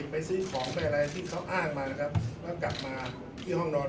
ทำไมแฟนไม่สงสัยอย่างปกติออกไปนอกบ้านกลับมามีแผลตลอด